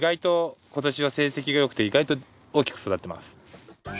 今年は成績がよくて意外と大きく育ってます。